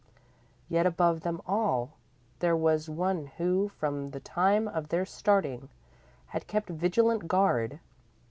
Yet above them all, there was one who, from the time of their starting, had kept vigilant guard.